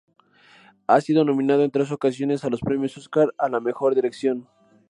Ha sido nominado en tres ocasiones a los premios Óscar a la mejor dirección.